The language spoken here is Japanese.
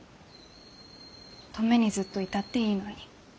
登米にずっといたっていいのに。